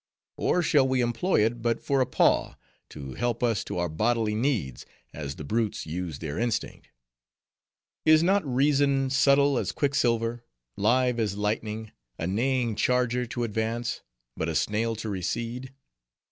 Or shall we employ it but for a paw, to help us to our bodily needs, as the brutes use their instinct? Is not reason subtile as quicksilver—live as lightning—a neighing charger to advance, but a snail to recede?